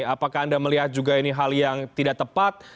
apakah anda melihat juga ini hal yang tidak tepat